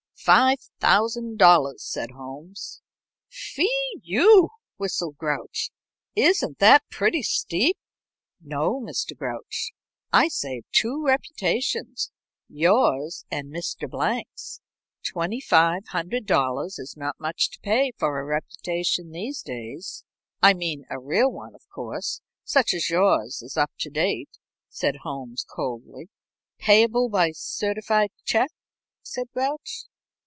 "Five thousand dollars," said Holmes. "Phe e e w!" whistled Grouch. "Isn't that pretty steep?" "No, Mr. Grouch. I save two reputations yours and Mr. Blank's. Twenty five hundred dollars is not much to pay for a reputation these days I mean a real one, of course, such as yours is up to date," said Holmes, coldly. "Payable by certified check?" said Grouch.